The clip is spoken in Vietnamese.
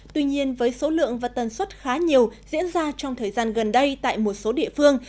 tuy nhiên với số lượng và tần suất khá nhiều diễn ra trong thời gian gần đây tại một số địa phương